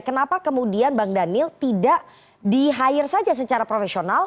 kenapa kemudian bang daniel tidak di hire saja secara profesional